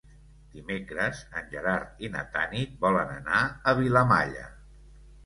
Dimecres en Gerard i na Tanit volen anar a Vilamalla.